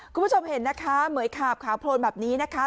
คุณผู้ชมเห็นนะคะเหมือยขาบขาวโพลนแบบนี้นะคะ